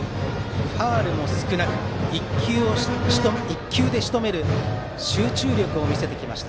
ファウルも少なく１球でしとめる集中力を見せてきました。